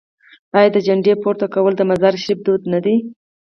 آیا د جنډې پورته کول د مزار شریف دود نه دی؟